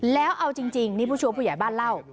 แล้วเอาจริงนี่ผู้ช่วยผู้ใหญ่บ้านเล่า